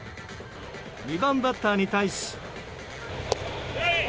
２番バッターに対し。